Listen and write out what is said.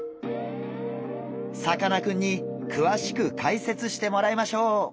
さかなクンにくわしく解説してもらいましょう！